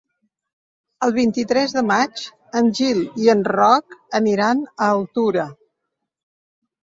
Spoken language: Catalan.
El vint-i-tres de maig en Gil i en Roc aniran a Altura.